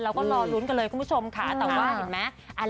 เราก็รอลุ้นกันเลยคุณผู้ชมค่ะแต่ว่าเห็นมั้ย